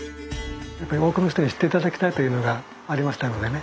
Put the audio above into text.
やっぱり多くの人に知って頂きたいというのがありましたのでね